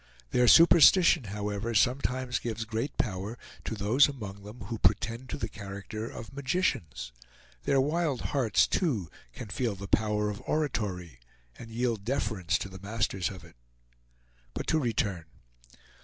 Their superstition, however, sometimes gives great power, to those among them who pretend to the character of magicians. Their wild hearts, too, can feel the power of oratory, and yield deference to the masters of it. But to return.